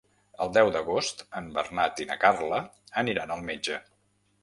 El deu d'agost en Bernat i na Carla aniran al metge.